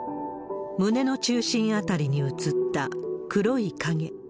胸の中心辺りに映った黒い影。